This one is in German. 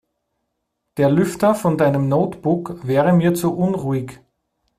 Der Lüfter von deinem Notebook wäre mir zu unruhig.